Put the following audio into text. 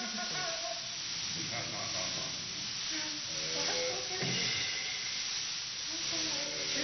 笑っちゃってるし。